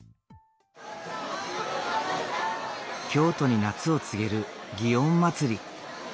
京都に夏を告げる園祭。